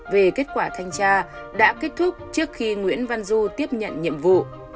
về kết quả thanh tra đã kết thúc trước khi nguyễn văn du tiếp nhận nhiệm vụ